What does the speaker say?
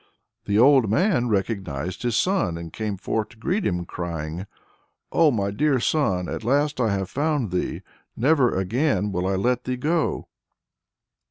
The old man recognized his son, and came forth to greet him, crying: "O my dear son! at last I have found thee! never again will I let thee go!"